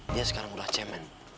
dia sekarang udah cemen